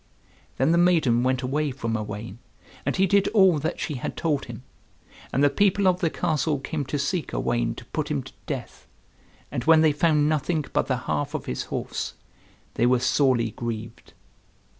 Then the maiden went away from Owain, and he did all that she had told him. And the people of the castle came to seek Owain to put him to death; and when they found nothing but the half of his horse, they were sorely grieved.